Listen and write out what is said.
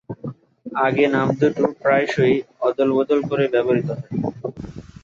আগে নাম দুটো প্রায়শই অদলবদল করে ব্যবহৃত হত।